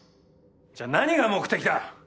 じゃ何が目的だ！